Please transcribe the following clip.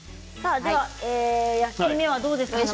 焼き目は、どうですか？